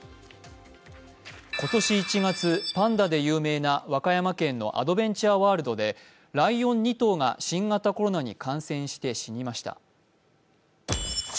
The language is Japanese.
今年１月、パンダで有名な和歌山県のアドベンチャーワールドでライオン２頭が新型コロナに感染して死にました。